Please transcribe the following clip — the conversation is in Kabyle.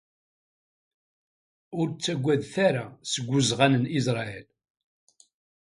Ur ttagadet ara seg uzɣan n Israel.